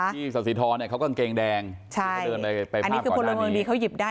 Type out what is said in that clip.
ที่สตศิษฐรเนี้ยเขากางเกงแดงใช่อันนี้คือพลเมิงดีเขาหยิบได้